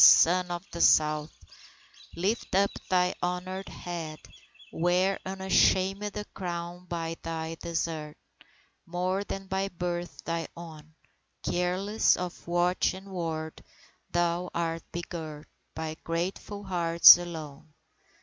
Son of the South, Lift up thy honoured head, Wear unashamed a crown by thy desert More than by birth thy own, Careless of watch and ward; thou art begirt By grateful hearts alone.